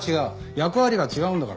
役割が違うんだから。